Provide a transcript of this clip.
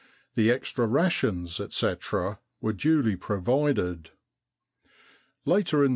The extra rations, etc., were duly provided. "Later in th?